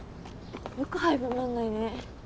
よく廃部になんないね。